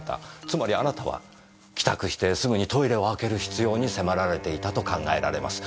つまりあなたは帰宅してすぐにトイレを開ける必要に迫られていたと考えられます。